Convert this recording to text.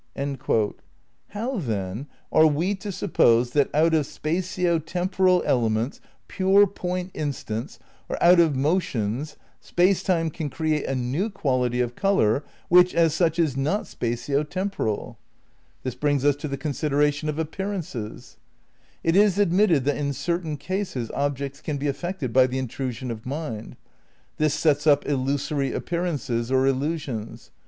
'^ Space, Time amd Deity, Vol. II, pp. 9, 10. ' The same, p. 141. 204 THE NEW IDEALISM v How then are we to suppose that out of spatio temporal elements, pure point instants, or out of motions, Space Time can create a new quality of colour which, as such, is not spatio temporal? This brings us to the consideration of Appearances. It is admitted that in certain cases objects can be affected by the "intrusion of the mind." ^ This sets up illusory appearances or illusions.